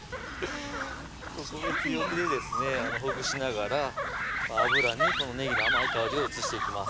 ここで強火でですねほぐしながら油にこのねぎの甘い香りを移していきます